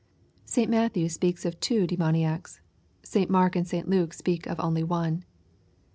St. Matthew speaks of two demoniacs. St. Mark and St. Luke speak of only one.